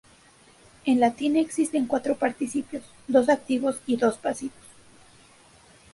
En latín existen cuatro participios, dos activos y dos pasivos.